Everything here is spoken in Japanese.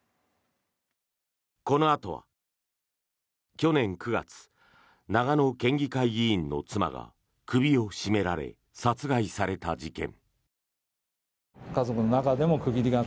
このあとは去年９月、長野県議会議員の妻が首を絞められ殺害された事件。